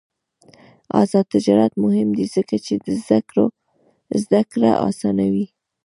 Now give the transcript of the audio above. آزاد تجارت مهم دی ځکه چې زدکړه اسانوي.